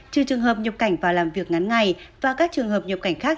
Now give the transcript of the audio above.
trừ trường hợp nhập cảnh vào làm việc ngắn ngày và các trường hợp nhập cảnh khác